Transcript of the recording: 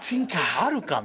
あるかな？